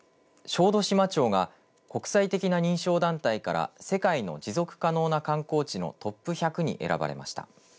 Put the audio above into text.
小豆島町が国際的な認証団体から世界の持続可能な観光地のトップ１００に選ばれました。